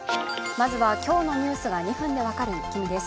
まずは今日のニュースが２分で分かるイッキ見です。